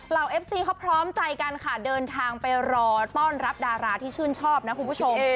เอฟซีเขาพร้อมใจกันค่ะเดินทางไปรอต้อนรับดาราที่ชื่นชอบนะคุณผู้ชม